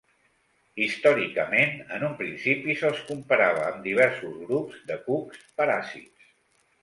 Històricament, en un principi se'ls comparava amb diversos grups de cucs paràsits.